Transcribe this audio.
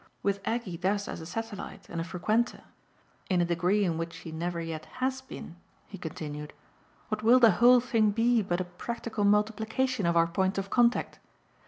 With Aggie thus as a satellite and a frequenter in a degree in which she never yet HAS been," he continued, "what will the whole thing be but a practical multiplication of our points of contact?